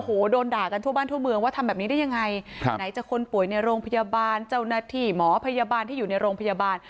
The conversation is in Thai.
ไหนจะคนป่วยในโรงพยาบาลเจ้าหน้าที่หมอพยาบาลที่อยู่ในโรงพยาบาล